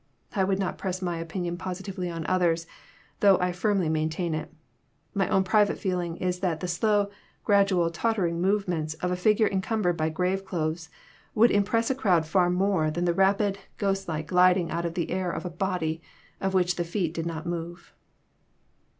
I would not press my opinion positively on others, though I firmly mantain it. My own private feeling is that the slow, gradual, tottering movements of a figure encumbered by grave clothes would impress a crowd far more than the rapid, ghost like gliding out in air of a body, of which the feet did not move.